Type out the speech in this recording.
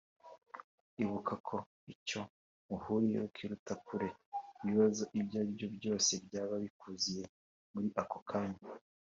Ibuka ko icyo muhuriyeho kiruta kure ibibazo ibyo aribyo byose byaba bikuziye muri ako kanya